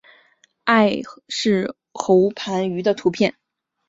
艾氏喉盘鱼的图片